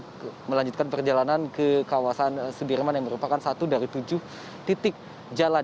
kita akan melanjutkan perjalanan ke kawasan sebirman yang merupakan satu dari tujuh titik jalan